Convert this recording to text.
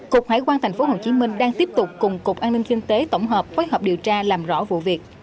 cục hải quan tp hcm đang tiếp tục cùng cục an ninh kinh tế tổng hợp phối hợp điều tra làm rõ vụ việc